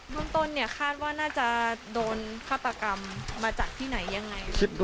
เรื่องต้นเนี่ยคาดว่าน่าจะโดนฆาตกรรมมาจากที่ไหนยังไง